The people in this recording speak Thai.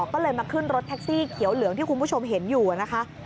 ก็เลยมาขึ้นรถแท็กซี่เขียวเหลืองที่คุณผู้ชมเห็นอยู่นะคะ